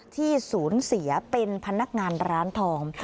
ที่ศูนย์เสียเป็นพะนักงานดารันทอม